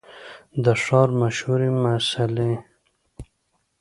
د ښار مشهورې مسلۍ